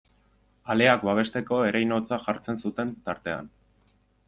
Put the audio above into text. Aleak babesteko ereinotza jartzen zuten tartean.